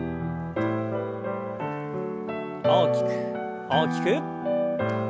大きく大きく。